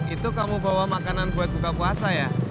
itu kamu bawa makanan buat buka puasa ya